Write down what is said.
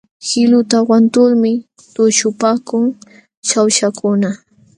Qiluta wantulmi tuśhupaakun Shawshakuna.